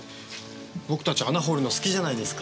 僕たち穴掘るの好きじゃないですか！